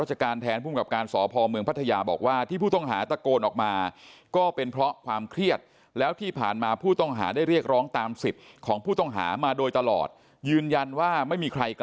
ใช่เพราะว่านี่ไงถูกแจ้งข้อหาเพิ่มไปอีก